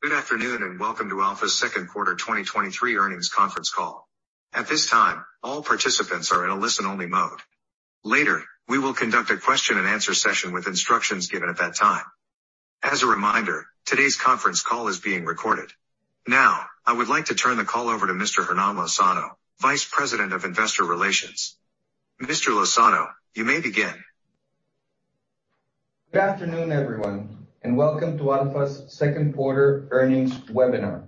Good afternoon, welcome to Alfa's second quarter 2023 earnings conference call. At this time, all participants are in a listen-only mode. Later, we will conduct a question and answer session with instructions given at that time. As a reminder, today's conference call is being recorded. I would like to turn the call over to Mr. Hernan Lozano, Vice President of Investor Relations. Mr. Lozano, you may begin. Good afternoon, everyone, welcome to Alfa's second quarter earnings webinar.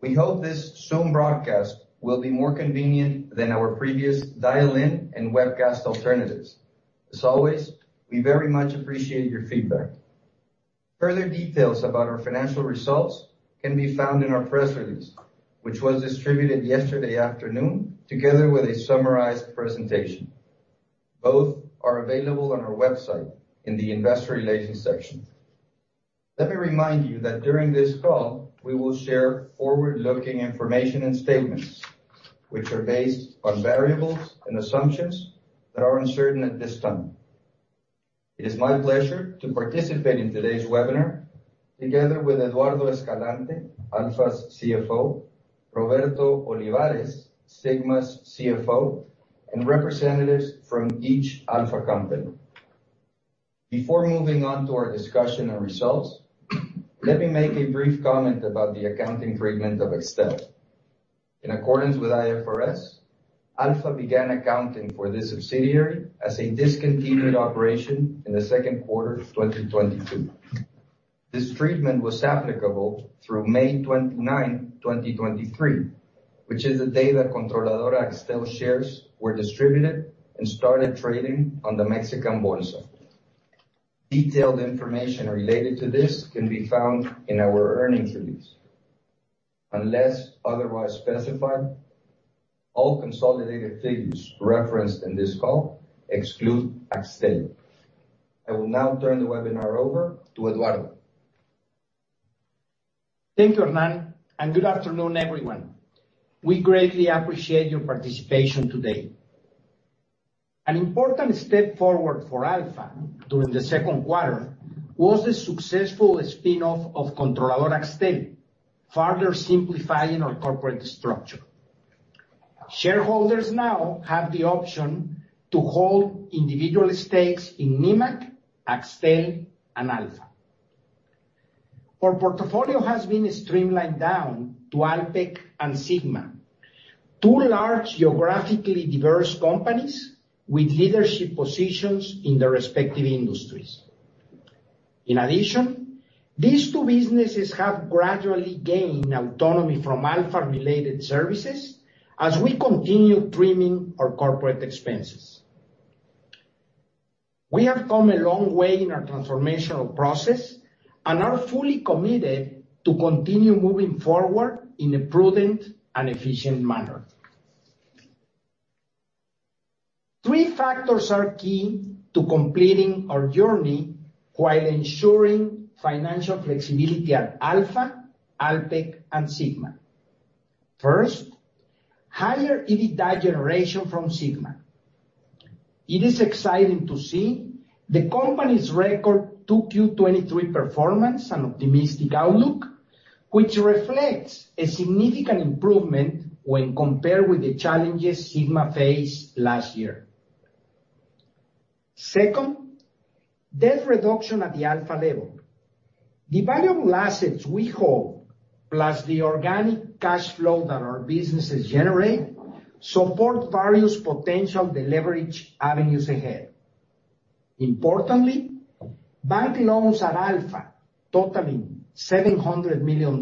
We hope this Zoom broadcast will be more convenient than our previous dial-in and webcast alternatives. As always, we very much appreciate your feedback. Further details about our financial results can be found in our press release, which was distributed yesterday afternoon, together with a summarized presentation. Both are available on our website in the Investor Relations section. Let me remind you that during this call, we will share forward-looking information and statements which are based on variables and assumptions that are uncertain at this time. It is my pleasure to participate in today's webinar, together with Eduardo Escalante, Alfa's CFO; Roberto Olivares, Sigma's CFO, and representatives from each Alfa company. Before moving on to our discussion and results, let me make a brief comment about the accounting treatment of Axtel. In accordance with IFRS, Alfa began accounting for this subsidiary as a discontinued operation in the second quarter of 2022. This treatment was applicable through May 29, 2023, which is the day that Controladora Axtel shares were distributed and started trading on the Mexican Bolsa. Detailed information related to this can be found in our earnings release. Unless otherwise specified, all consolidated figures referenced in this call exclude Axtel. I will now turn the webinar over to Eduardo. Thank you, Hernan, and good afternoon, everyone. We greatly appreciate your participation today. An important step forward for Alfa during the second quarter was the successful spin-off of Controladora Axtel, further simplifying our corporate structure. Shareholders now have the option to hold individual stakes in Nemak, Axtel, and Alfa. Our portfolio has been streamlined down to Alpek and Sigma, two large, geographically diverse companies with leadership positions in their respective industries. In addition, these two businesses have gradually gained autonomy from Alfa-related services as we continue trimming our corporate expenses. We have come a long way in our transformational process and are fully committed to continue moving forward in a prudent and efficient manner. Three factors are key to completing our journey while ensuring financial flexibility at Alfa, Alpek, and Sigma. First, higher EBITDA generation from Sigma. It is exciting to see the company's record 2Q 2023 performance and optimistic outlook, which reflects a significant improvement when compared with the challenges Sigma faced last year. Second, debt reduction at the Alfa level. The valuable assets we hold, plus the organic cash flow that our businesses generate, support various potential deleverage avenues ahead. Importantly, bank loans at Alfa totaling $700 million,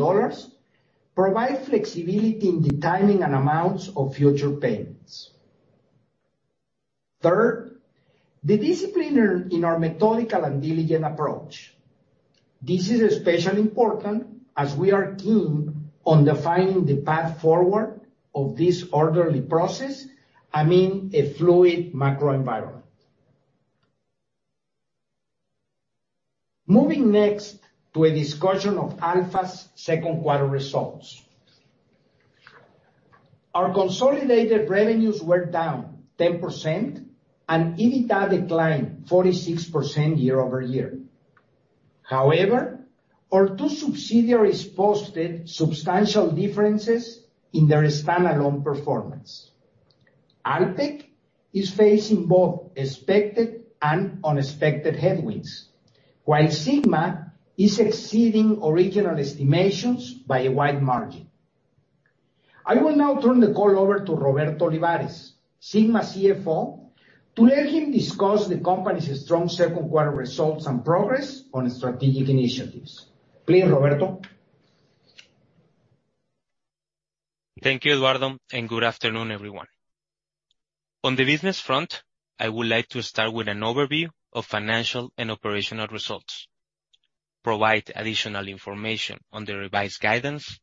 provide flexibility in the timing and amounts of future payments. Third, the discipline in our methodical and diligent approach. This is especially important as we are keen on defining the path forward of this orderly process, amid a fluid macro environment. Moving next to a discussion of Alfa's second quarter results. Our consolidated revenues were down 10% and EBITDA declined 46% year-over-year. However, our two subsidiaries posted substantial differences in their standalone performance. Alpek is facing both expected and unexpected headwinds, while Sigma is exceeding original estimations by a wide margin. I will now turn the call over to Roberto Olivares, Sigma's CFO, to let him discuss the company's strong second quarter results and progress on strategic initiatives. Please, Roberto. Thank you, Eduardo. Good afternoon, everyone. On the business front, I would like to start with an overview of financial and operational results, provide additional information on the revised guidance,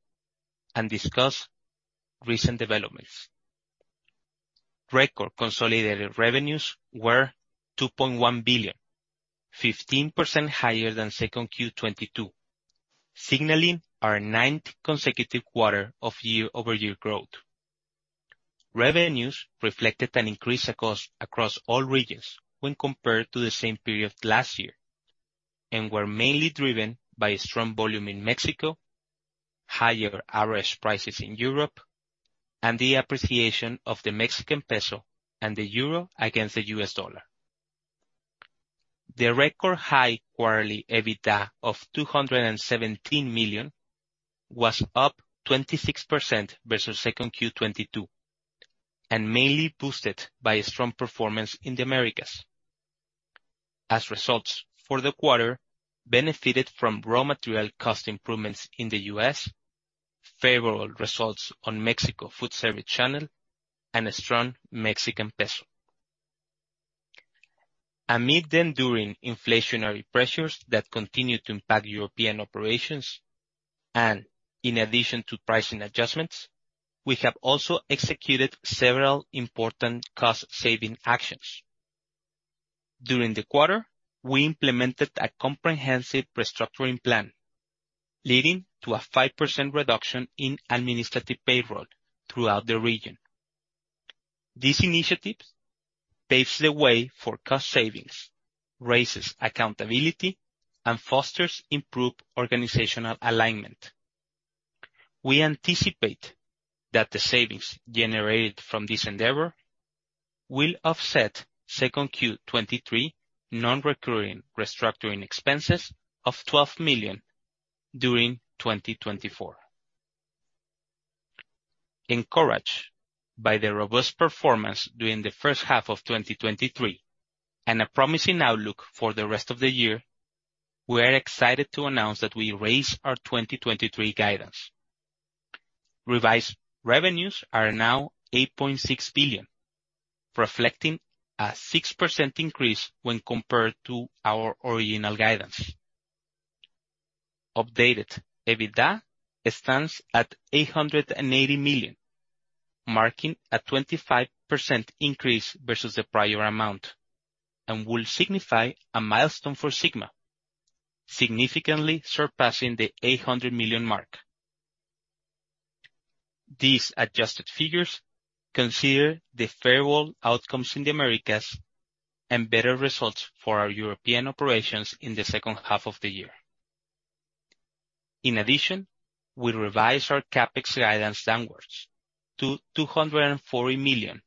and discuss recent developments. Record consolidated revenues were $2.1 billion, 15% higher than 2Q 2022, signaling our ninth consecutive quarter of year-over-year growth. Revenues reflected an increase across all regions when compared to the same period last year, mainly driven by a strong volume in Mexico, higher average prices in Europe, and the appreciation of the Mexican peso and the euro against the US dollar. The record high quarterly EBITDA of $217 million was up 26% versus 2Q 2022, mainly boosted by a strong performance in the Americas. As results for the quarter benefited from raw material cost improvements in the U.S., favorable results on Mexico Foodservice channel, and a strong Mexican peso. Amid the enduring inflationary pressures that continue to impact European operations, and in addition to pricing adjustments, we have also executed several important cost-saving actions. During the quarter, we implemented a comprehensive restructuring plan, leading to a 5% reduction in administrative payroll throughout the region. These initiatives paves the way for cost savings, raises accountability, and fosters improved organizational alignment. We anticipate that the savings generated from this endeavor will offset 2Q 2023 non-recurring restructuring expenses of $12 million during 2024. Encouraged by the robust performance during the first half of 2023, and a promising outlook for the rest of the year, we are excited to announce that we raised our 2023 guidance. Revised revenues are now $8.6 billion, reflecting a 6% increase when compared to our original guidance. Updated EBITDA stands at $880 million, marking a 25% increase versus the prior amount, and will signify a milestone for Sigma, significantly surpassing the $800 million mark. These adjusted figures consider the favorable outcomes in the Americas and better results for our European operations in the second half of the year. In addition, we revised our CapEx guidance downwards to $240 million,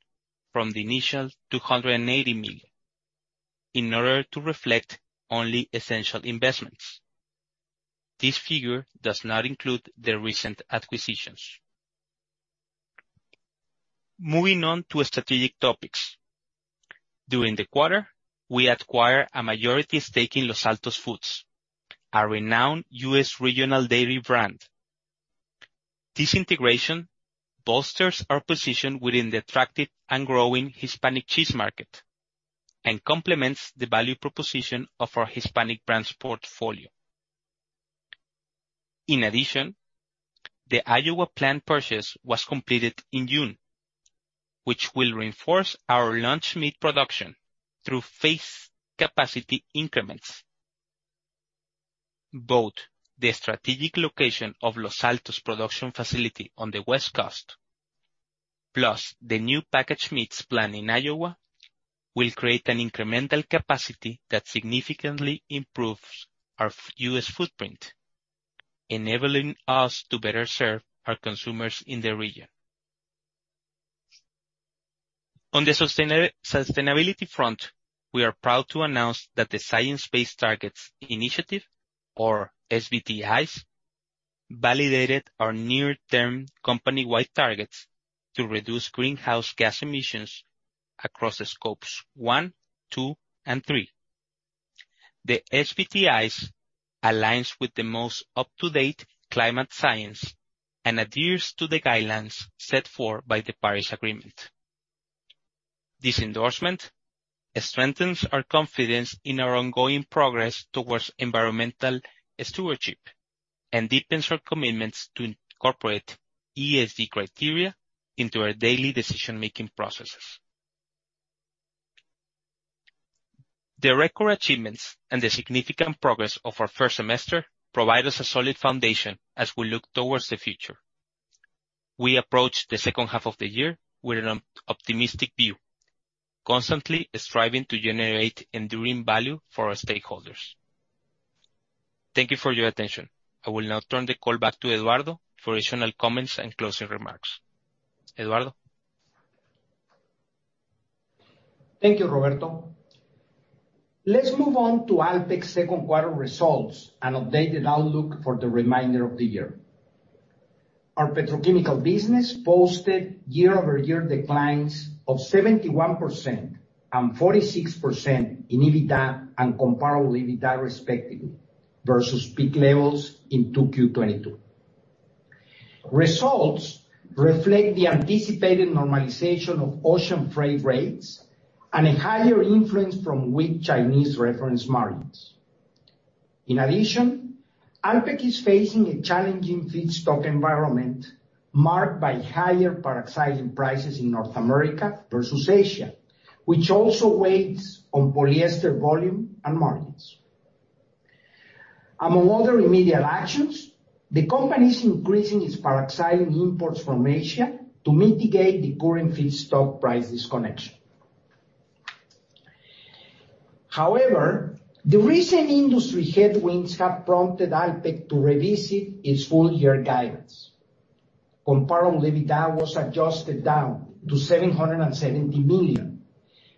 from the initial $280 million, in order to reflect only essential investments. This figure does not include the recent acquisitions. Moving on to strategic topics. During the quarter, we acquired a majority stake in Los Altos Foods, a renowned U.S. regional dairy brand. This integration bolsters our position within the attractive and growing Hispanic cheese market, and complements the value proposition of our Hispanic brands portfolio. In addition, the Iowa plant purchase was completed in June, which will reinforce our lunch meat production through phased capacity increments. Both the strategic location of Los Altos production facility on the West Coast, plus the new packaged meats plant in Iowa, will create an incremental capacity that significantly improves our US footprint, enabling us to better serve our consumers in the region. On the sustainability front, we are proud to announce that the Science Based Targets initiative, or SBTi, validated our near-term company-wide targets to reduce greenhouse gas emissions across the Scope 1, 2, and 3. The SBTi aligns with the most up-to-date climate science and adheres to the guidelines set forth by the Paris Agreement. This endorsement strengthens our confidence in our ongoing progress towards environmental stewardship and deepens our commitments to incorporate ESG criteria into our daily decision-making processes. The record achievements and the significant progress of our first semester provide us a solid foundation as we look towards the future. We approach the second half of the year with an optimistic view, constantly striving to generate enduring value for our stakeholders. Thank you for your attention. I will now turn the call back to Eduardo for additional comments and closing remarks. Eduardo? Thank you, Roberto. Let's move on to Alpek's second quarter results and updated outlook for the remainder of the year. Our petrochemical business posted year-over-year declines of 71% and 46% in EBITDA and Comparable EBITDA respectively, versus peak levels in 2Q 2022. Results reflect the anticipated normalization of ocean freight rates and a higher influence from weak Chinese reference margins. In addition, Alpek is facing a challenging feedstock environment marked by higher paraxylene prices in North America versus Asia, which also weighs on Polyester volume and margins.... Among other immediate actions, the company is increasing its paraxylene imports from Asia to mitigate the current feedstock price disconnection. However, the recent industry headwinds have prompted Alpek to revisit its full year guidance. Comparable EBITDA was adjusted down to $770 million,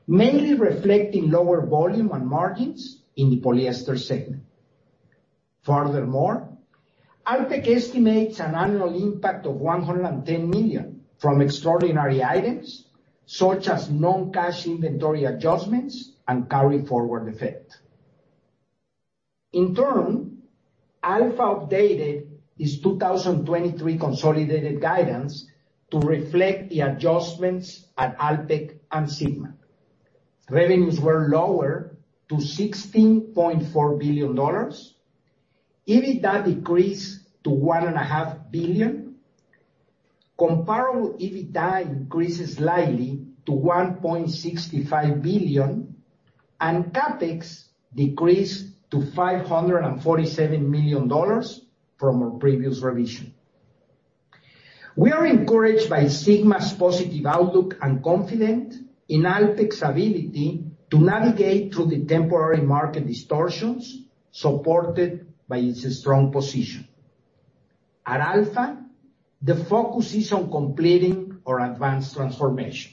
mainly reflecting lower volume and margins in the Polyester segment. Furthermore, Alpek estimates an annual impact of $110 million from extraordinary items, such as non-cash inventory adjustments and carry forward effect. Alfa updated its 2023 consolidated guidance to reflect the adjustments at Alpek and Sigma. Revenues were lower to $16.4 billion. EBITDA decreased to $1.5 billion. Comparable EBITDA increased slightly to $1.65 billion, and CapEx decreased to $547 million from our previous revision. We are encouraged by Sigma's positive outlook and confident in Alpek's ability to navigate through the temporary market distortions, supported by its strong position. At Alfa, the focus is on completing our advanced transformation.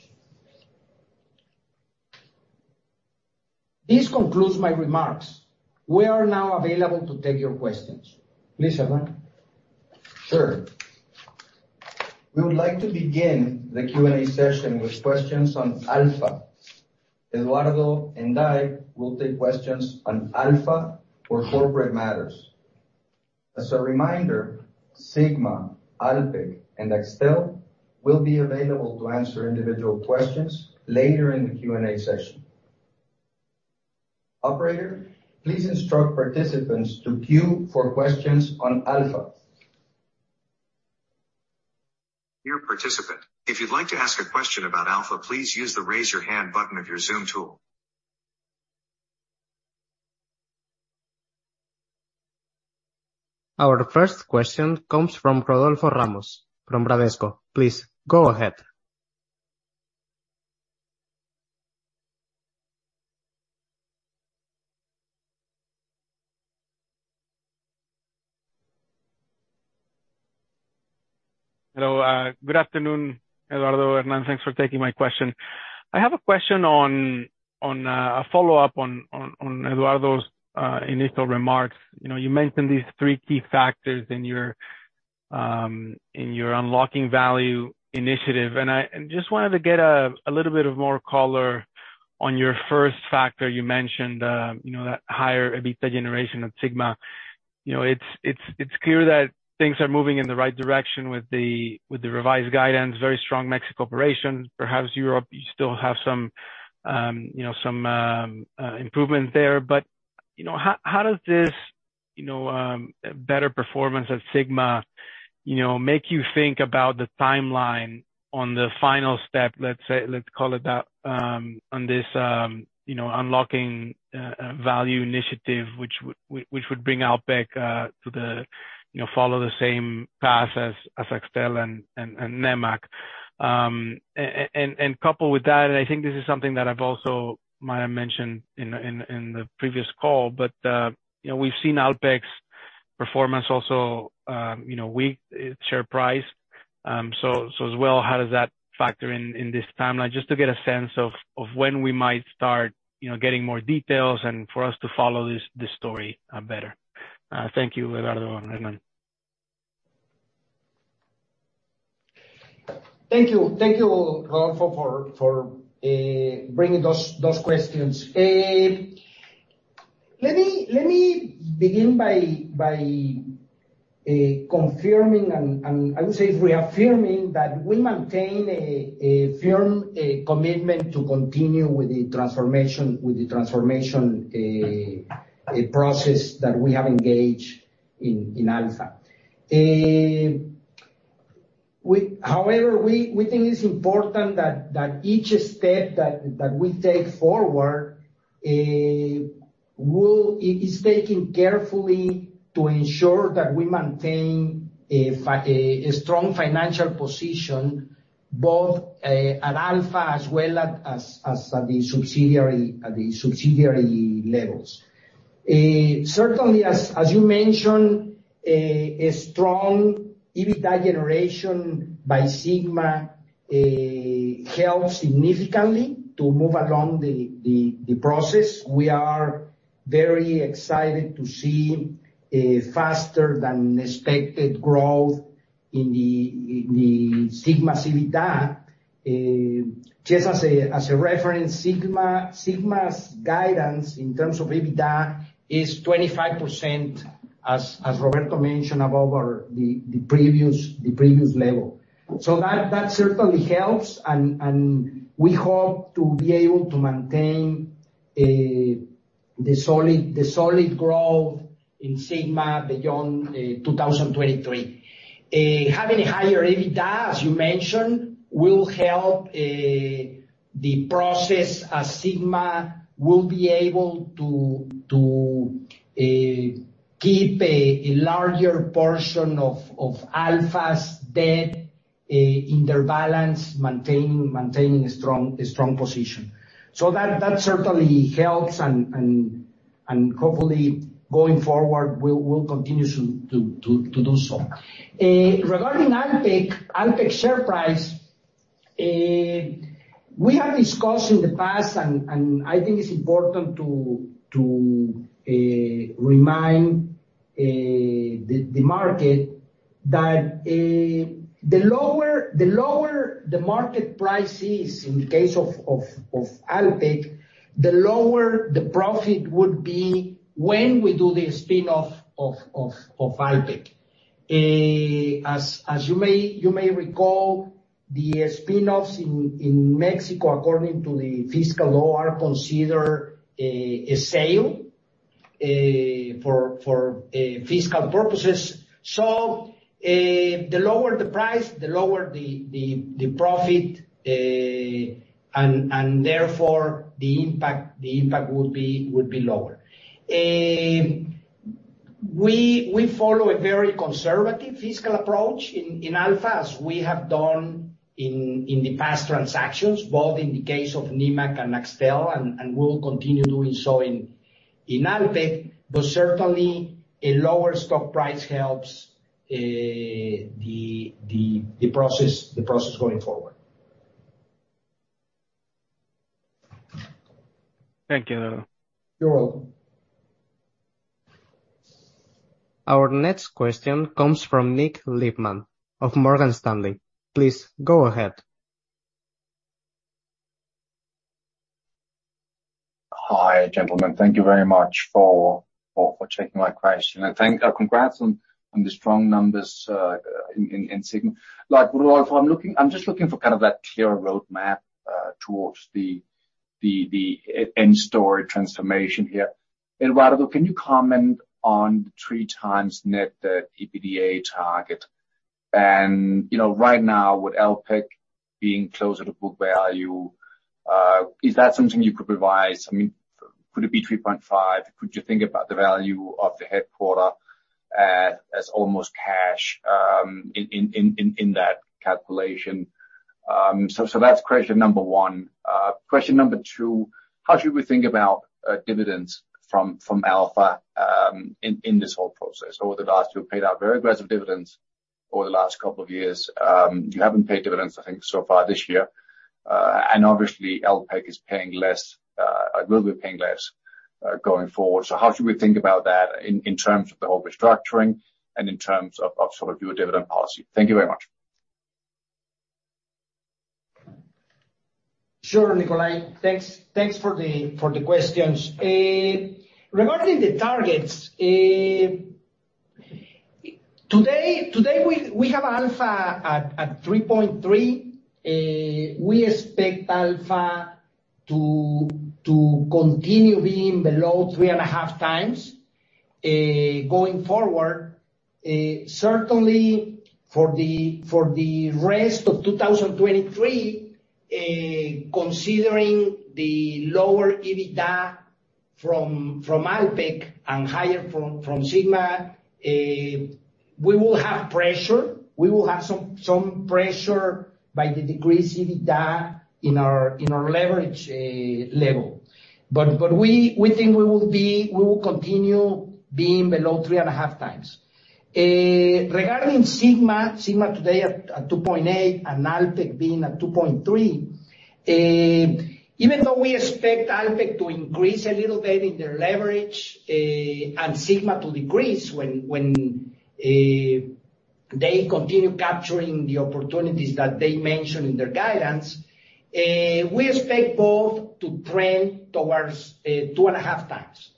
This concludes my remarks. We are now available to take your questions. Please, Hernan. Sure. We would like to begin the Q&A session with questions on Alfa. Eduardo and I will take questions on Alfa or corporate matters. As a reminder, Sigma, Alpek, and Axtel will be available to answer individual questions later in the Q&A session. Operator, please instruct participants to queue for questions on Alfa. Our first question comes from Rodolfo Ramos from Bradesco. Please go ahead. Hello. Good afternoon, Eduardo, Hernan. Thanks for taking my question. I have a question on a follow-up on Eduardo's initial remarks. You know, you mentioned these three key factors in your unlocking value initiative, and I just wanted to get a little bit of more color on your first factor. You mentioned, you know, that higher EBITDA generation at Sigma. You know, it's clear that things are moving in the right direction with the revised guidance, very strong Mexico operation. Perhaps Europe, you still have some, you know, some improvement there. You know, how does this, you know, better performance at Sigma, you know, make you think about the timeline on the final step, let's say, let's call it that, on this, you know, unlocking value initiative, which would bring Alpek to the, you know, follow the same path as Axtel and Nemak? Coupled with that, and I think this is something that I've also might have mentioned in the previous call, but, you know, we've seen Alpek's performance also, you know, weak, its share price. As well, how does that factor in this timeline? Just to get a sense of when we might start, you know, getting more details and for us to follow this story better. Thank you, Eduardo and Hernan. Thank you. Thank you, Rodolfo, for bringing those questions. Let me begin by confirming, and I would say reaffirming, that we maintain a firm commitment to continue with the transformation process that we have engaged in Alfa. However, we think it's important that each step that we take forward is taking carefully to ensure that we maintain a strong financial position, both at Alfa as well as at the subsidiary levels. Certainly as you mentioned, a strong EBITDA generation by Sigma helped significantly to move along the process. We are very excited to see a faster than expected growth in the Sigma EBITDA. Just as a reference, Sigma's guidance in terms of EBITDA is 25%, as Roberto mentioned, above our previous level. That certainly helps, and we hope to be able to maintain the solid growth in Sigma beyond 2023. Having a higher EBITDA, as you mentioned, will help. The process at Sigma will be able to keep a larger portion of Alfa's debt in their balance, maintaining a strong position. That certainly helps and hopefully going forward, we'll continue to do so. Regarding Alpek, Alpek's share price, we have discussed in the past and I think it's important to remind the market that the lower the market price is in the case of Alpek, the lower the profit would be when we do the spin-off of Alpek. As you may recall, the spin-offs in Mexico, according to the fiscal law, are considered a sale for fiscal purposes. The lower the price, the lower the profit, and therefore, the impact would be lower. We follow a very conservative fiscal approach in Alfa, as we have done in the past transactions, both in the case of Nemak and Axtel, and we'll continue doing so in Alpek. Certainly a lower stock price helps the process going forward. Thank you. You're welcome. Our next question comes from Nik Lippmann of Morgan Stanley. Please go ahead. Hi, gentlemen. Thank you very much for taking my question. Congrats on the strong numbers in Sigma. Like, Rodolfo, I'm just looking for kind of that clear roadmap towards the end story transformation here. Eduardo, can you comment on 3x net, the EBITDA target? You know, right now, with Alpek being closer to book value, is that something you could revise? I mean, could it be 3.5? Could you think about the value of the headquarter as almost cash in that calculation? So that's question number one. Question number two: How should we think about dividends from Alfa in this whole process? Over the last you've paid out very aggressive dividends over the last couple of years. You haven't paid dividends, I think, so far this year. Obviously Alpek is paying less, will be paying less, going forward. How should we think about that in terms of the whole restructuring and in terms of sort of your dividend policy? Thank you very much. Sure, Nikolai. Thanks for the questions. Regarding the targets, today, we have Alfa at 3.3. We expect Alfa to continue being below 3.5x going forward. Certainly for the rest of 2023, considering the lower EBITDA from Alpek and higher from Sigma, we will have pressure. We will have some pressure by the decreased EBITDA in our leverage level. We think we will continue being below 3.5x. Regarding Sigma, Sigma today at 2.8 and Alpek being at 2.3, even though we expect Alpek to increase a little bit in their leverage, and Sigma to decrease when they continue capturing the opportunities that they mentioned in their guidance, we expect both to trend towards 2.5x.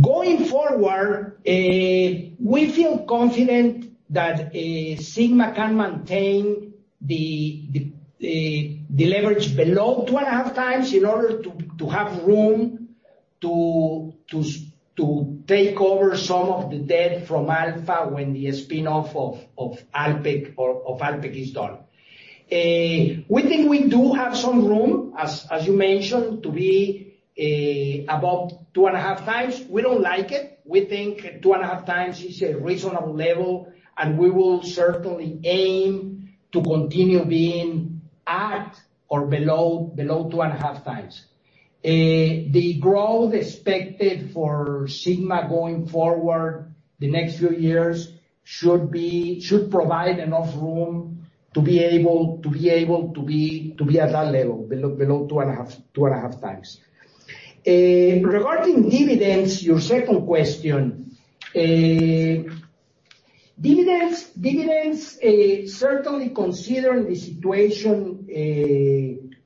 Going forward, we feel confident that Sigma can maintain the leverage below 2.5x in order to have room to take over some of the debt from Alfa when the spin-off of Alpek is done. We think we do have some room, as you mentioned, to be above 2.5x. We don't like it. We think two and a half times is a reasonable level. We will certainly aim to continue being at or below two and a half times. The growth expected for Sigma going forward the next few years should provide enough room to be able to be at that level, below two and a half times. Regarding dividends, your second question. Dividends, certainly considering the situation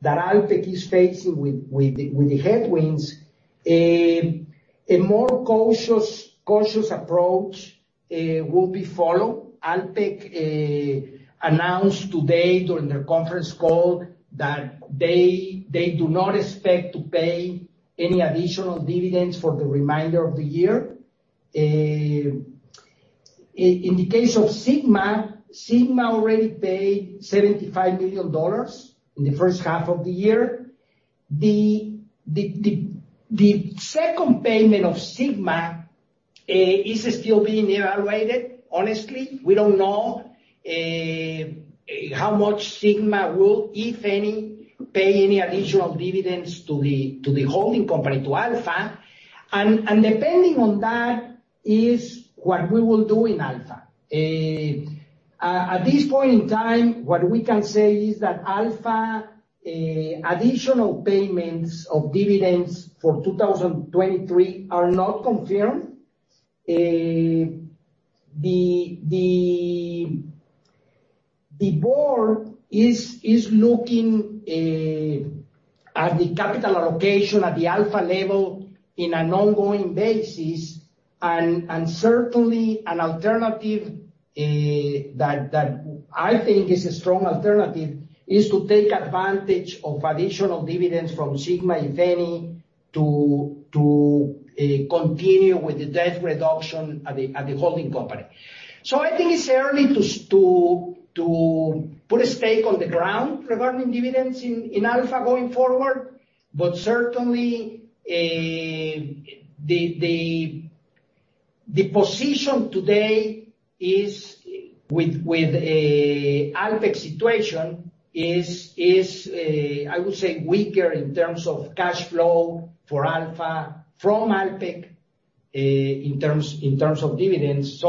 that Alpek is facing with the headwinds, a more cautious approach will be followed. Alpek announced today during their conference call that they do not expect to pay any additional dividends for the remainder of the year. In the case of Sigma, Sigma already paid $75 million in the first half of the year. The second payment of Sigma is still being evaluated. Honestly, we don't know how much Sigma will, if any, pay any additional dividends to the holding company, to Alfa. Depending on that, is what we will do in Alfa. At this point in time, what we can say is that Alfa additional payments of dividends for 2023 are not confirmed. The board is looking at the capital allocation at the Alfa level in an ongoing basis, and certainly an alternative that I think is a strong alternative, is to take advantage of additional dividends from Sigma, if any, to continue with the debt reduction at the holding company. I think it's early to put a stake on the ground regarding dividends in Alfa going forward, but certainly, the position today is with Alpek's situation is, I would say weaker in terms of cash flow for Alfa from Alpek, in terms of dividends.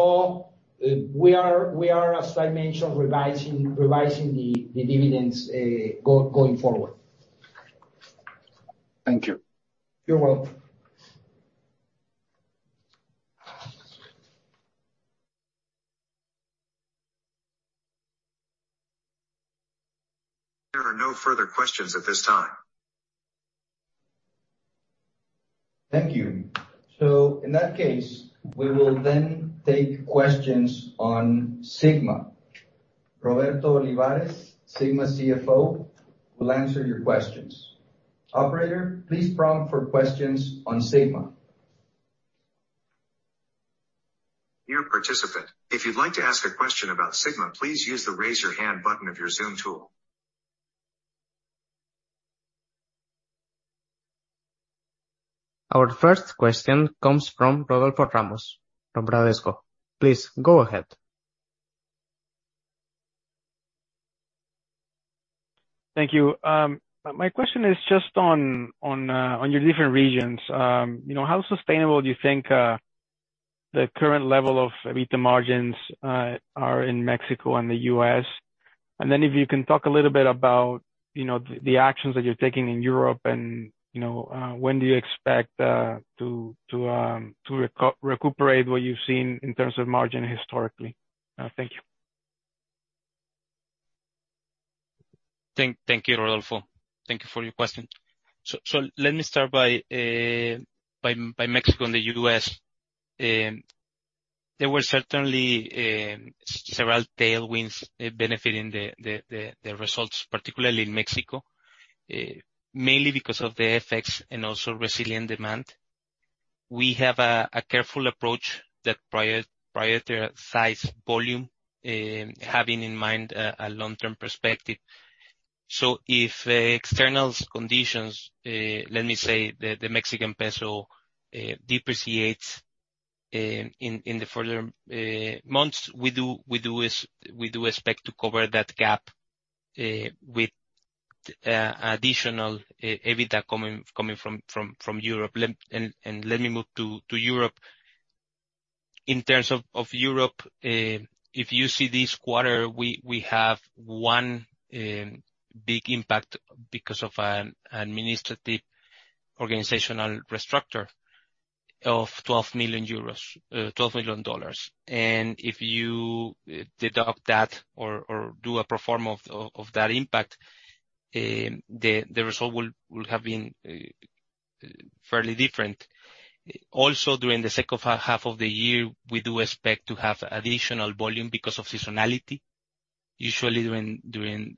We are, as I mentioned, revising the dividends going forward. Thank you. You're welcome. There are no further questions at this time. Thank you. In that case, we will then take questions on Sigma. Roberto Olivares, Sigma CFO, will answer your questions. Operator, please prompt for questions on Sigma. Our first question comes from Rodolfo Ramos, from Bradesco. Please go ahead. Thank you. My question is just on, on your different regions. You know, how sustainable do you think the current level of EBITDA margins are in Mexico and the U.S.? If you can talk a little bit about, you know, the actions that you're taking in Europe and, you know, when do you expect to recuperate what you've seen in terms of margin historically? Thank you. Thank you, Rodolfo. Thank you for your question. Let me start by Mexico and the U.S. There were certainly several tailwinds benefiting the results, particularly in Mexico, mainly because of the effects and also resilient demand. We have a careful approach that prioritize volume, having in mind a long-term perspective. If external conditions, let me say, the Mexican peso depreciates in the further months, we do expect to cover that gap with additional EBITDA coming from Europe. Let me move to Europe. In terms of Europe, if you see this quarter, we have one big impact because of an administrative organizational restructure of $12 million. If you deduct that or do a pro forma of that impact, the result will have been fairly different. Also, during the second half of the year, we do expect to have additional volume because of seasonality. Usually, during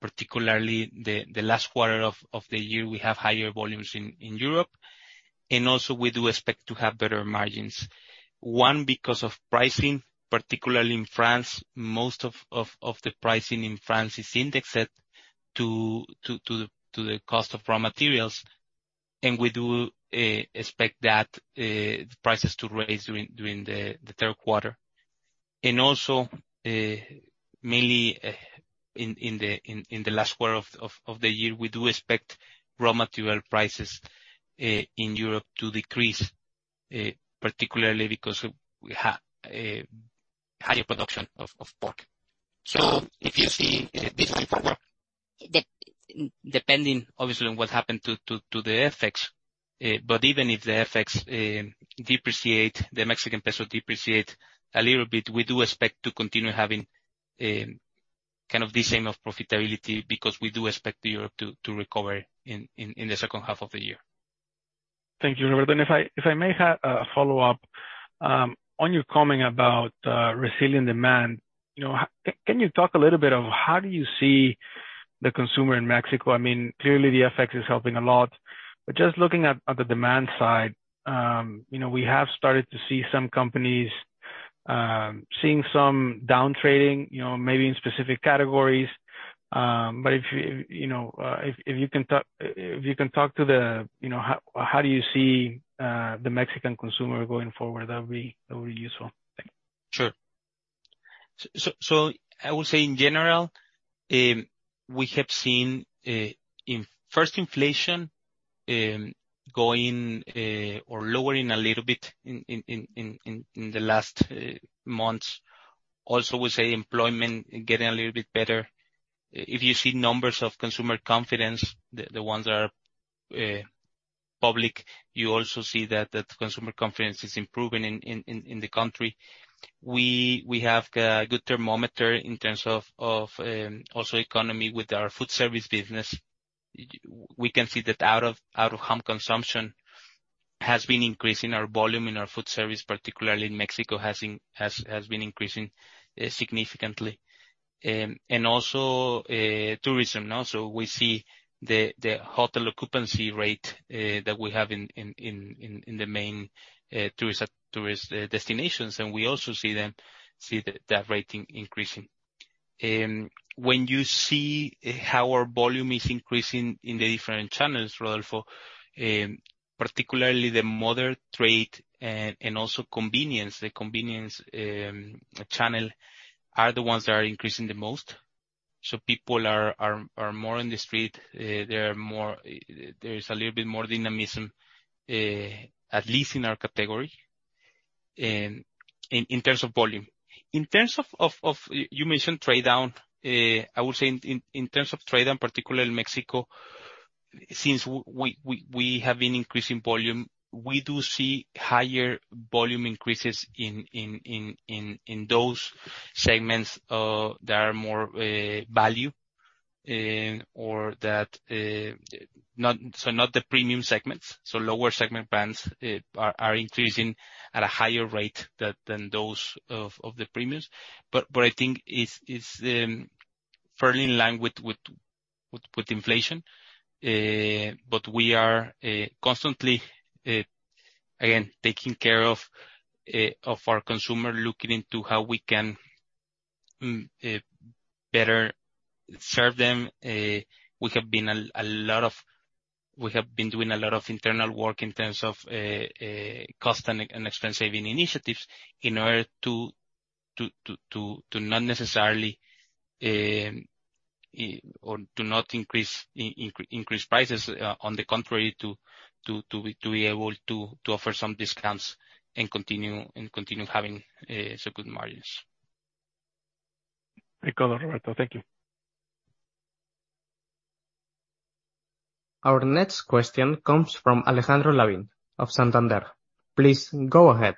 particularly the last quarter of the year, we have higher volumes in Europe, and also we do expect to have better margins. One, because of pricing, particularly in France. Most of the pricing in France is indexed to the cost of raw materials, we do expect that prices to raise during the third quarter. Also, mainly, in the last quarter of the year, we do expect raw material prices in Europe to decrease, particularly because we have higher production of pork. If you see this quarter, depending obviously on what happened to the FX, but even if the FX depreciate, the Mexican peso depreciate a little bit, we do expect to continue having kind of the same of profitability, because we do expect Europe to recover in the second half of the year. Thank you, Roberto. If I may have a follow-up on your comment about resilient demand, you know, can you talk a little bit of how do you see the consumer in Mexico? I mean, clearly the FX is helping a lot. Just looking at the demand side, you know, we have started to see some companies seeing some down trading, you know, maybe in specific categories. If you, you know, if you can talk, if you can talk to the, you know, how do you see the Mexican consumer going forward? That would be, that would be useful. Thank you. Sure. So I will say in general, we have seen, in first inflation, going or lowering a little bit in the last months. Also, we say employment getting a little bit better. If you see numbers of consumer confidence, the ones that are public, you also see that consumer confidence is improving in the country. We have good thermometer in terms of also economy with our Foodservice business. We can see that out of home consumption has been increasing. Our volume in our Foodservice, particularly in Mexico, has been increasing significantly. Tourism also, we see the hotel occupancy rate that we have in the main tourist destinations, and we also see that rate increasing. When you see how our volume is increasing in the different channels, Rodolfo, particularly the modern trade, and also convenience channel, are the ones that are increasing the most. People are more in the street, they are more. There is a little bit more dynamism, at least in our category, in terms of volume. In terms of, you mentioned trade-down, I would say in terms of trade-down, particularly in Mexico, since we have been increasing volume, we do see higher volume increases in those segments that are more value or that, so not the premium segments, so lower segment brands are increasing at a higher rate that, than those of the premiums. I think it's fairly in line with inflation. We are constantly again, taking care of our consumer, looking into how we can better serve them. We have been doing a lot of internal work in terms of cost and expense-saving initiatives in order to not necessarily or to not increase prices, on the contrary, to be able to offer some discounts and continue having some good margins. Thank you, Roberto. Thank you. Our next question comes from Alejandro Lavin of Santander. Please go ahead.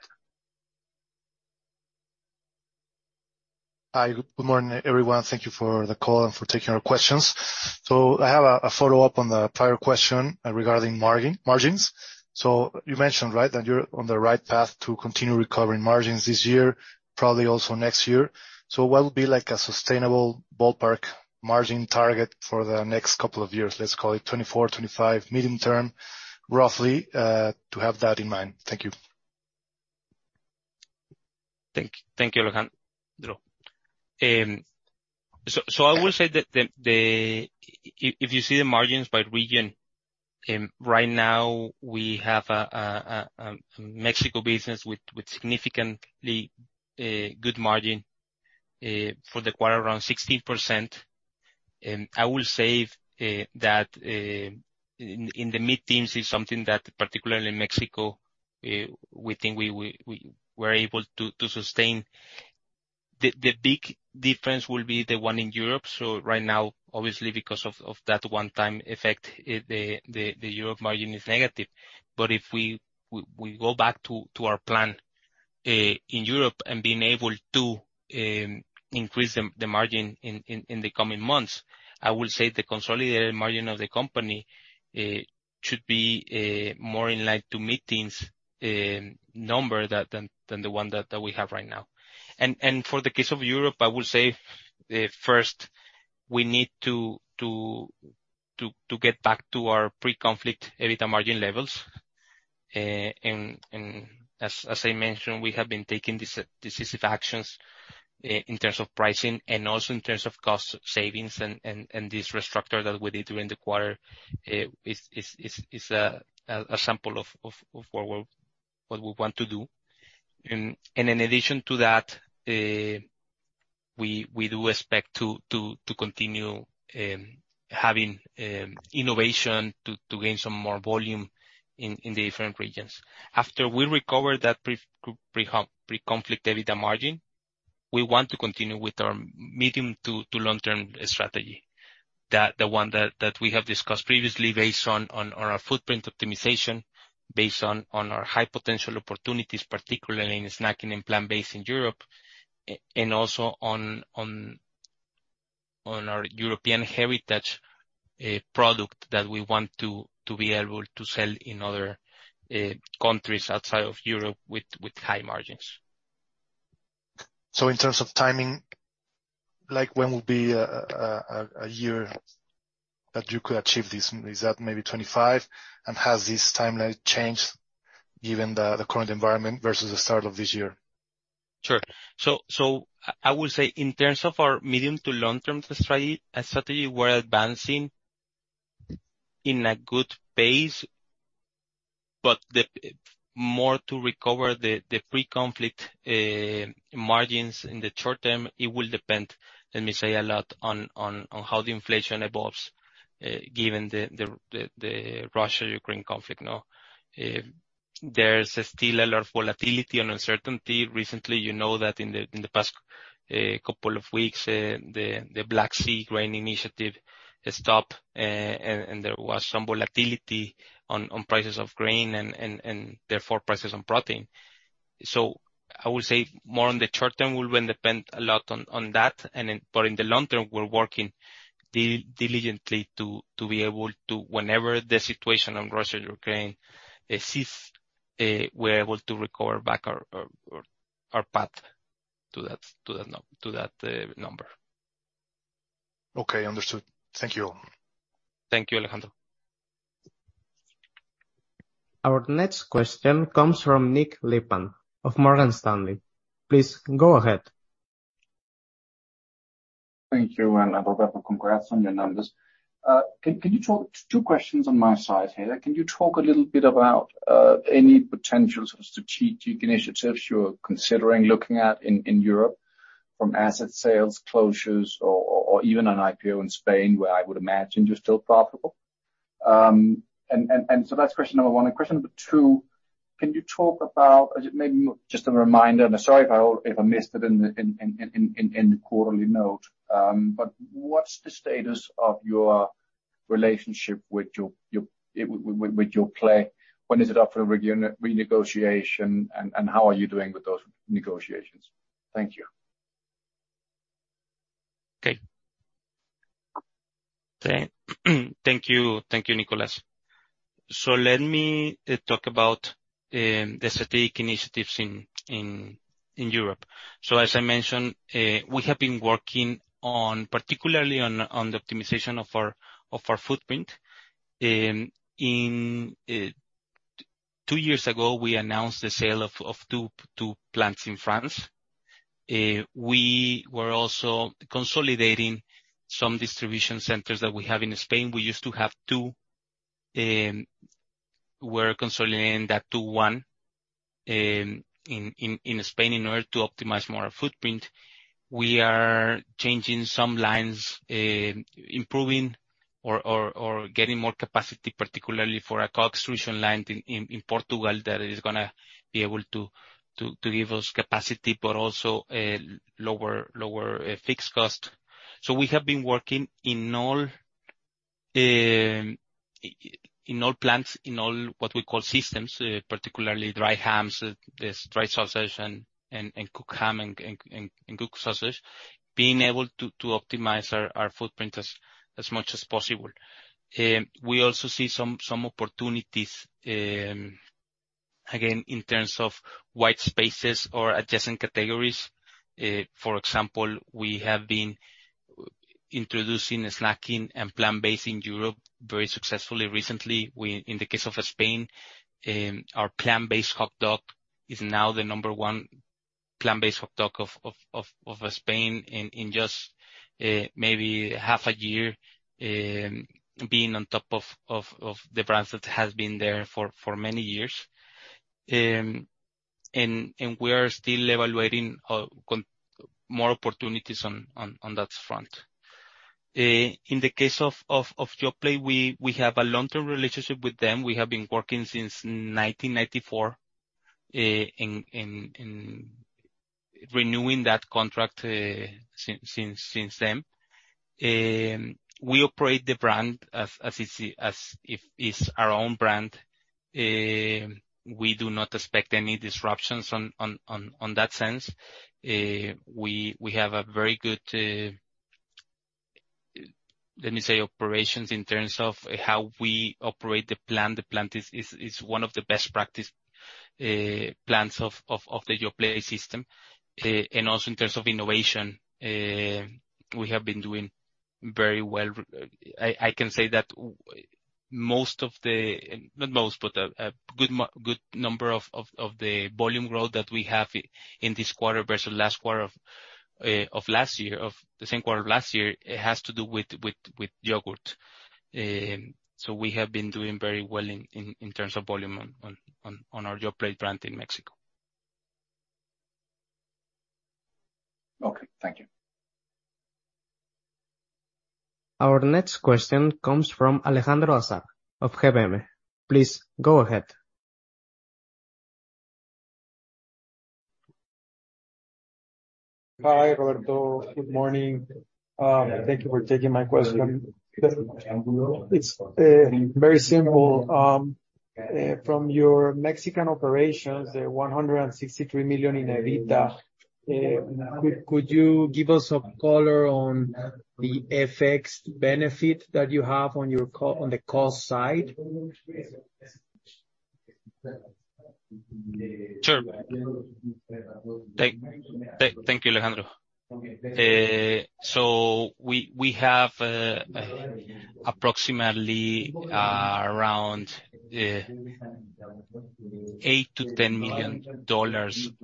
Hi, good morning, everyone. Thank you for the call and for taking our questions. I have a follow-up on the prior question regarding margins. You mentioned, right, that you're on the right path to continue recovering margins this year, probably also next year. What would be, like, a sustainable ballpark margin target for the next couple of years? Let's call it 2024, 2025, medium term, roughly, to have that in mind. Thank you. Thank you, Alejandro. If you see the margins by region, right now, we have a Mexico business with significantly good margin for the quarter, around 16%. I will say that in the mid-teens is something that, particularly in Mexico, we think we're able to sustain. The big difference will be the one in Europe. Right now, obviously, because of that one-time effect, the Europe margin is negative. If we go back to our plan in Europe and being able to increase the margin in the coming months, I will say the consolidated margin of the company should be more in line to mid-teens number than the one that we have right now. For the case of Europe, I will say, first we need to get back to our pre-conflict EBITDA margin levels. As I mentioned, we have been taking decisive actions in terms of pricing and also in terms of cost savings and this restructure that we did during the quarter is a sample of what we're what we want to do. In addition to that, we do expect to continue having innovation to gain some more volume in the different regions. After we recover that pre-conflict EBITDA margin, we want to continue with our medium to long-term strategy, the one that we have discussed previously based on our footprint optimization, based on our high-potential opportunities, particularly in snacking and plant-based in Europe, and also on our European heritage, a product that we want to be able to sell in other countries outside of Europe with high margins. In terms of timing, like, when will be a year that you could achieve this? Is that maybe 2025? Has this timeline changed given the current environment versus the start of this year? Sure. I would say in terms of our medium to long-term strategy, we're advancing in a good pace, more to recover the pre-conflict margins in the short term, it will depend, let me say, a lot on how the inflation evolves, given the Russia-Ukraine conflict, no? There's still a lot of volatility and uncertainty. Recently, you know that in the past couple of weeks, the Black Sea Grain Initiative stopped, and there was some volatility on prices of grain and therefore prices on protein. I would say more on the short term will depend a lot on that, and then In the long term, we're working diligently to be able to whenever the situation on Russia-Ukraine cease, we're able to recover back our path to that number. Okay, understood. Thank you. Thank you, Alejandro. Our next question comes from Nik Lippmann of Morgan Stanley. Please go ahead. Thank you. Roberto, congrats on your numbers. Two questions on my side here. Can you talk a little bit about any potential sort of strategic initiatives you're considering looking at in Europe, from asset sales, closures, or even an IPO in Spain, where I would imagine you're still profitable? That's question one. Question two, can you talk about maybe more just a reminder, sorry if I missed it in the quarterly note, what's the status of your relationship with Yoplait? When is it up for renegotiation, and how are you doing with those negotiations? Thank you. Okay. Thank you, thank you, Nicholas. Let me talk about the strategic initiatives in Europe. As I mentioned, we have been working on, particularly on the optimization of our footprint. In two years ago, we announced the sale of two plants in France. We were also consolidating some distribution centers that we have in Spain. We used to have two. We're consolidating that to one in Spain, in order to optimize more our footprint. We are changing some lines, improving or getting more capacity, particularly for our co-extrusion plant in Portugal, that is gonna be able to give us capacity but also lower fixed cost. We have been working in all plants, in all what we call systems, particularly dry hams, yes, dry sausage and cooked ham and cooked sausage, being able to optimize our footprint as much as possible. We also see some opportunities, again, in terms of white spaces or adjacent categories. For example, we have been introducing snacking and plant-based in Europe very successfully recently. We, in the case of Spain, our plant-based hot dog is now the number one plant-based hot dog of Spain, in just half a year, being on top of the brands that has been there for many years. And we are still evaluating more opportunities on that front. In the case of Yoplait, we have a long-term relationship with them. We have been working since 1994 in renewing that contract since then. We operate the brand as if it's our own brand. We do not expect any disruptions on that sense. We have a very good, let me say, operations in terms of how we operate the plant. The plant is one of the best practice plants of the Yoplait system. Also in terms of innovation, we have been doing very well. I can say that most of the, not most, but a good number of the volume growth that we have in this quarter versus last quarter of last year, of the same quarter of last year, it has to do with yogurt. We have been doing very well in terms of volume on our Yoplait brand in Mexico. Okay. Thank you. Our next question comes from Alejandro Azar of GBM. Please go ahead. Hi, Roberto. Good morning. Thank you for taking my question. It's, very simple. From your Mexican operations, the $163 million in EBITDA, could you give us some color on the FX benefit that you have on the cost side? Sure. Thank you, Alejandro. We have approximately around $8 million-$10 million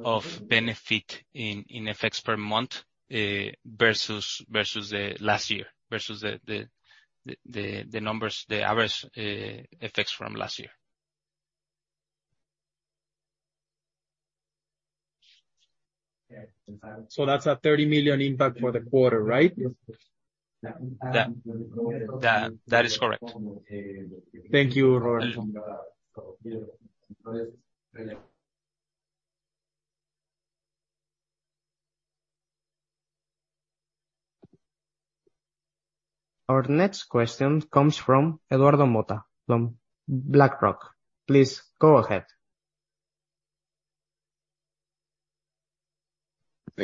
of benefit in effects per month versus the last year versus the numbers, the average effects from last year. That's a $30 million impact for the quarter, right? That is correct. Thank you, Roberto. Our next question comes from Eduardo Motta from BlackRock. Please go ahead.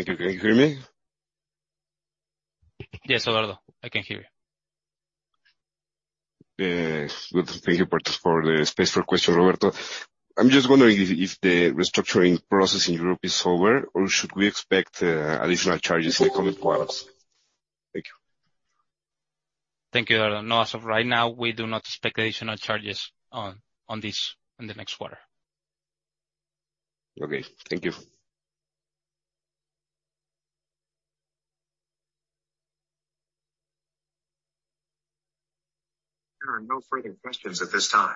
Thank you. Can you hear me? Yes, Eduardo, I can hear you. Good. Thank you for the space for question, Roberto. I'm just wondering if the restructuring process in Europe is over, or should we expect additional charges in the coming quarters? Thank you. Thank you, Eduardo. No, as of right now, we do not expect additional charges on this in the next quarter. Okay. Thank you. There are no further questions at this time.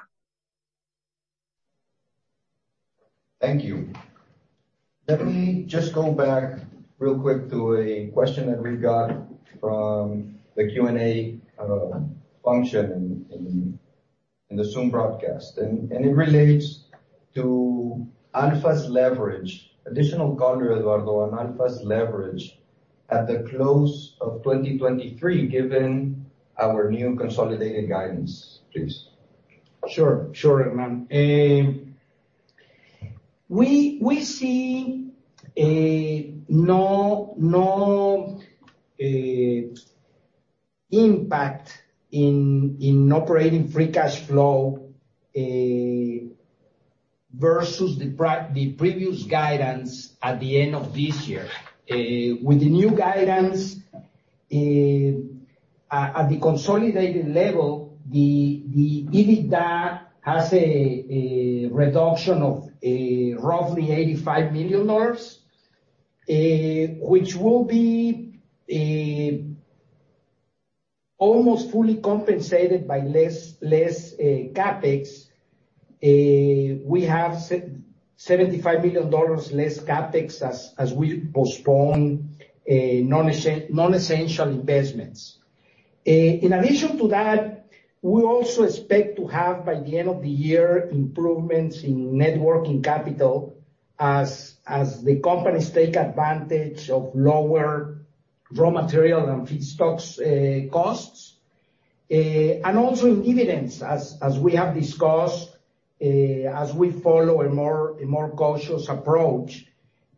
Thank you. Let me just go back real quick to a question that we got from the Q&A function in the Zoom broadcast, and it relates to Alfa's leverage. Additional color, Eduardo, on Alfa's leverage at the close of 2023, given our new consolidated guidance, please. Sure. Sure, Herman. We see a no impact in operating free cash flow versus the previous guidance at the end of this year. With the new guidance, at the consolidated level, EBITDA has a reduction of roughly $85 million, which will be almost fully compensated by less CapEx. We have $75 million less CapEx as we postpone non-essential investments. In addition to that, we also expect to have, by the end of the year, improvements in net working capital as the companies take advantage of lower raw material and feedstocks costs and also in dividends, as we have discussed, as we follow a more cautious approach.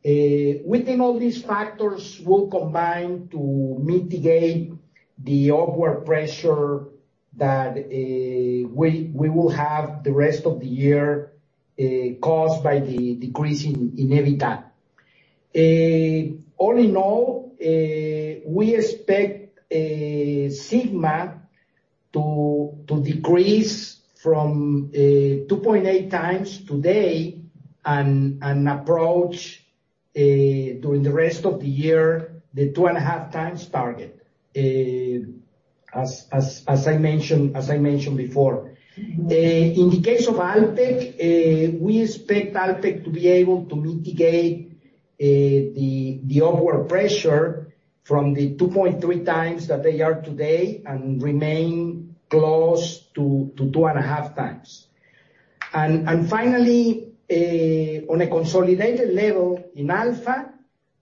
We think all these factors will combine to mitigate the upward pressure that we will have the rest of the year, caused by the decrease in EBITDA. All in all, we expect Sigma to decrease from 2.8x today and approach during the rest of the year, the 2.5x target, as I mentioned before. In the case of Alpek, we expect Alpek to be able to mitigate the upward pressure from the 2.3x that they are today and remain close to 2.5x. Finally, on a consolidated level in Alfa,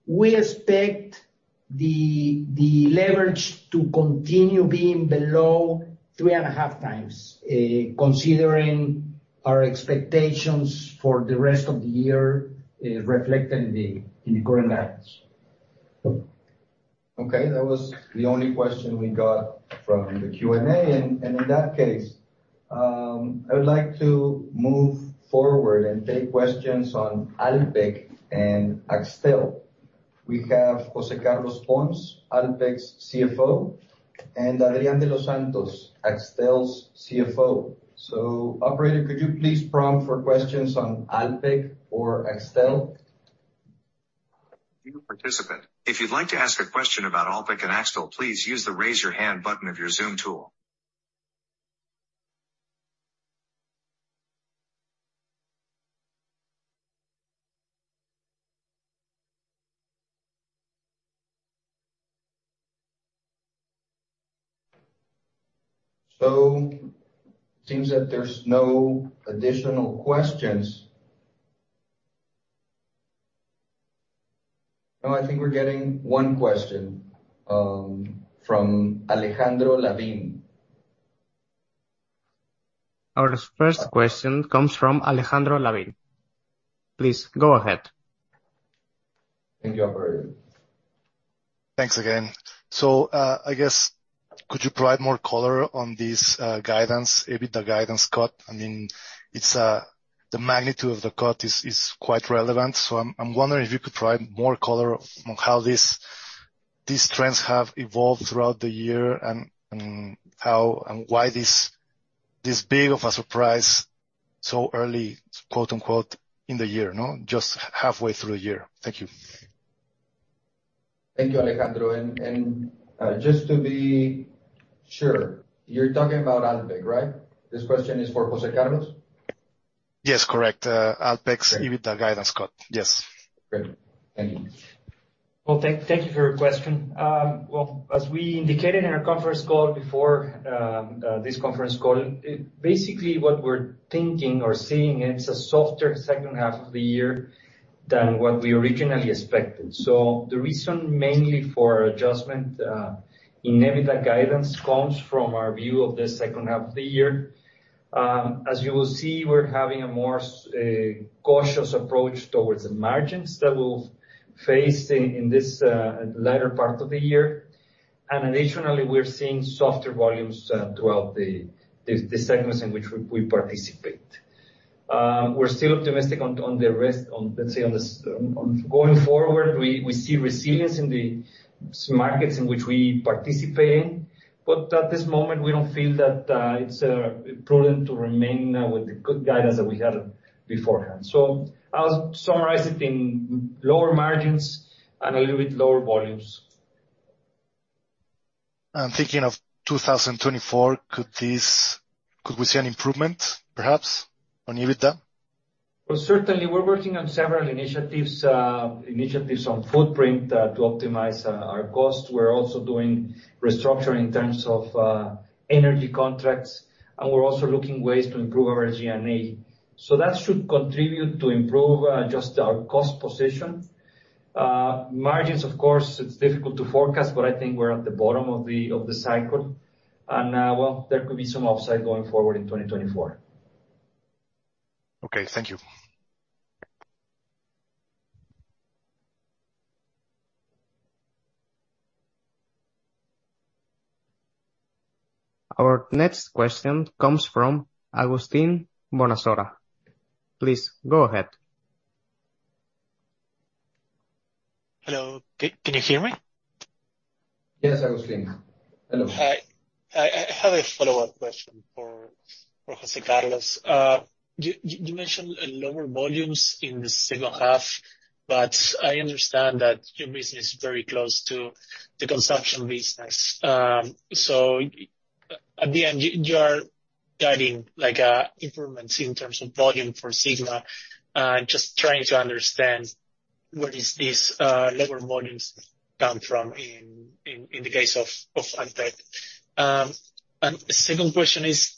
we expect the leverage to continue being below 3.5x, considering our expectations for the rest of the year, reflected in the current guidance. That was the only question we got from the Q&A, and in that case, I would like to move forward and take questions on Alpek and Axtel. We have Jose Carlos Pons, Alpek's CFO, and Adrian de los Santos, Axtel's CFO. operator, could you please prompt for questions on Alpek or Axtel? New participant, if you'd like to ask a question about Alpek and Axtel, please use the Raise Your Hand button of your Zoom tool. Seems that there's no additional questions. I think we're getting one question from Alejandro Lavin. Our first question comes from Alejandro Lavin. Please go ahead. Thank you, Operator. Thanks again. I guess, could you provide more color on this guidance, EBITDA guidance cut? I mean, it's the magnitude of the cut is quite relevant, so I'm wondering if you could provide more color on how these trends have evolved throughout the year, and how and why this big of a surprise so early, quote, unquote, "in the year," no? Just halfway through the year. Thank you. Thank you, Alejandro. Just to be sure, you're talking about Alpek, right? This question is for Jose Carlos. Yes, correct. Great. EBITDA guidance cut. Yes. Great. Thank you. Thank you for your question. As we indicated in our conference call before, this conference call, basically, what we're thinking or seeing, it's a softer second half of the year than what we originally expected. The reason mainly for our adjustment in EBITDA guidance comes from our view of the second half of the year. As you will see, we're having a more cautious approach towards the margins that we've faced in this latter part of the year. Additionally, we're seeing softer volumes throughout the segments in which we participate. We're still optimistic on the rest, on going forward, we see resilience in the markets in which we participate, but at this moment we don't feel that it's prudent to remain with the good guidance that we had beforehand. I'll summarize it in lower margins and a little bit lower volumes. I'm thinking of 2024, Could we see an improvement, perhaps, on EBITDA? Well, certainly we're working on several initiatives, initiatives on footprint, to optimize our costs. We're also doing restructuring in terms of energy contracts, we're also looking ways to improve our G&A. That should contribute to improve just our cost position. Margins, of course, it's difficult to forecast, but I think we're at the bottom of the cycle. Well, there could be some upside going forward in 2024. Okay. Thank you. Our next question comes from Agustin Bonasora. Please go ahead. Hello. Can you hear me? Yes, Augustine. Hello. Hi. I have a follow-up question for Jose Carlos. You mentioned lower volumes in the second half. I understand that your business is very close to the consumption business. At the end, you are guiding, like, improvements in terms of volume for Sigma. Just trying to understand where is this lower volumes come from in the case of Alpek. The second question is,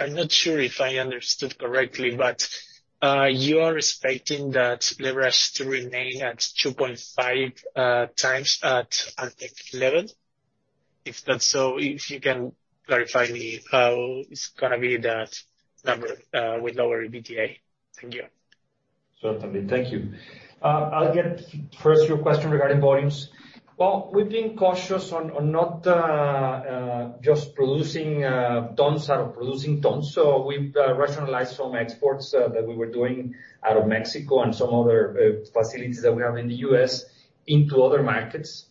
I'm not sure if I understood correctly, you are expecting that leverage to remain at 2.5x at Alpek level? If that's so, if you can clarify me how it's gonna be that number with lower EBITDA. Thank you. Certainly. Thank you. I'll get first your question regarding volumes. Well, we've been cautious on not just producing tons out of producing tons. We've rationalized some exports that we were doing out of Mexico and some other facilities that we have in the U.S. into other markets,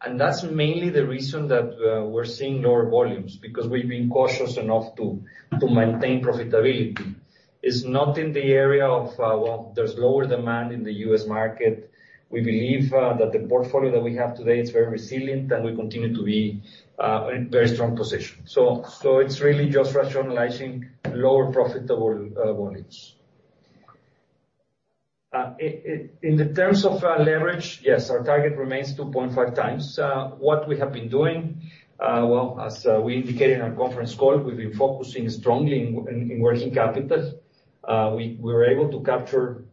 and that's mainly the reason that we're seeing lower volumes, because we've been cautious enough to maintain profitability. It's not in the area of, well, there's lower demand in the US market. We believe that the portfolio that we have today is very resilient, and we continue to be in very strong position. It's really just rationalizing lower profitable volumes. In the terms of leverage, yes, our target remains 2.5x. What we have been doing, well, as we indicated in our conference call, we've been focusing strongly in working capital. We were able to capture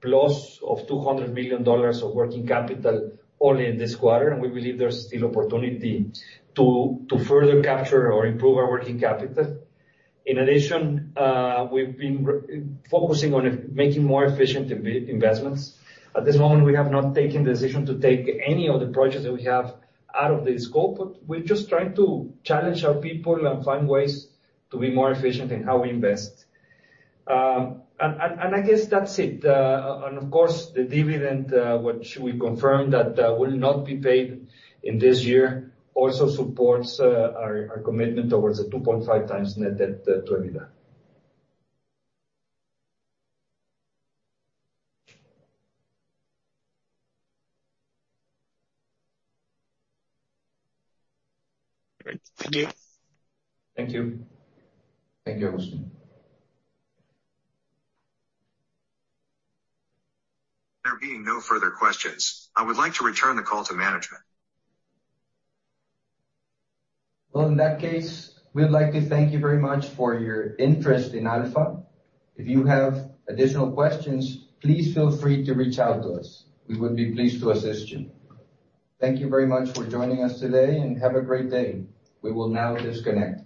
plus of $200 million of working capital only in this quarter, and we believe there's still opportunity to further capture or improve our working capital. In addition, we've been focusing on making more efficient investments. At this moment, we have not taken the decision to take any of the projects that we have out of the scope, but we're just trying to challenge our people and find ways to be more efficient in how we invest. I guess that's it. Of course, the dividend, which we confirmed that will not be paid in this year, also supports our commitment towards the 2.5x net debt-to-EBITDA. Great. Thank you. Thank you. Thank you, Agustin. There being no further questions, I would like to return the call to management. Well, in that case, we'd like to thank you very much for your interest in Alfa. If you have additional questions, please feel free to reach out to us. We would be pleased to assist you. Thank you very much for joining us today, and have a great day. We will now disconnect.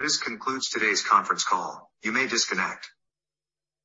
This concludes today's conference call. You may disconnect.